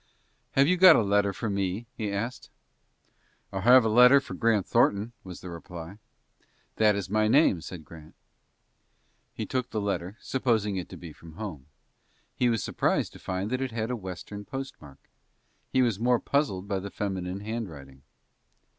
"Have you got a letter for me?" he asked. "I have a letter for Grant Thornton," was the reply. "That is my name," said Grant. He took the letter, supposing it to be from home. He was surprised to find that it had a Western postmark. He was more puzzled by the feminine handwriting.